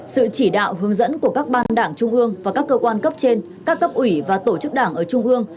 sự chỉ đạo hướng dẫn của các ban đảng trung ương và các cơ quan cấp trên các cấp ủy và tổ chức đảng ở trung ương